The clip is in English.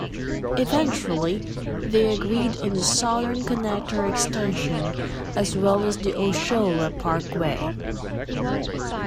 Eventually, they agreed on the Southern Connector Extension, as well as the Osceola Parkway.